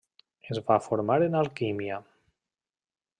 Es va formar en alquímia.